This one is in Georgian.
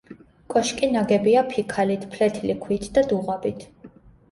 კოშკი ნაგებია ფიქალით, ფლეთილი ქვით და დუღაბით.